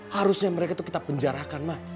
harusnya mereka itu kita penjarahkan ma